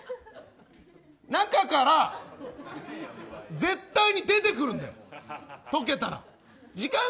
中から絶対に出てくるんだよ！